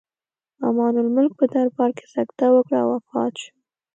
امان الملک په دربار کې سکته وکړه او وفات شو.